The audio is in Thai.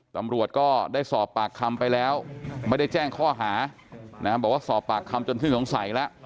ตำรวจก็ได้สอบปากคำไปแล้วไม่ได้แจ้งข้อหาบอกว่าสอบปากคำจนสิ้นสงสัยแล้ว